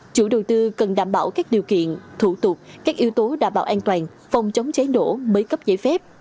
chủ đầu tư cần đảm bảo các điều kiện thủ tục các yếu tố đảm bảo an toàn phòng chống cháy nổ mới cấp giấy phép